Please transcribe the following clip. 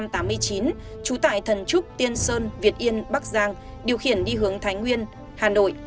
trú tại thần trúc tiên sơn việt yên bắc giang điều khiển đi hướng thái nguyên hà nội